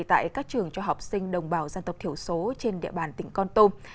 tại các trường cho học sinh đồng bào dân tộc thiểu số trên địa bàn tỉnh con tum